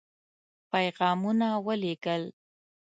پيغامونه ولېږل.